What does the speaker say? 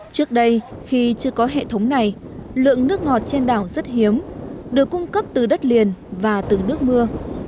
trước đây khi chưa có hệ thống này lượng nước ngọt trên đảo rất hiếm được cung cấp từ đất liền và từ nước mưa